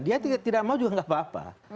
dia tidak mau juga nggak apa apa